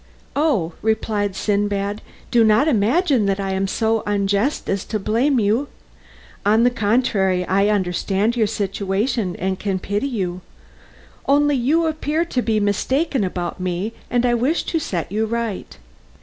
"Oh!" replied Sindbad, "do not imagine that I am so unjust as to blame you. On the contrary, I understand your situation and can pity you. Only you appear to be mistaken about me, and I wish to set you right.